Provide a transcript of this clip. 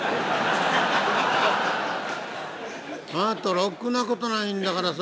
「ろくなことないんだからさ。